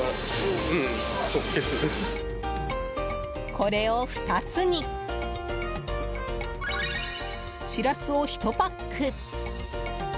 これを２つにシラスを１パック。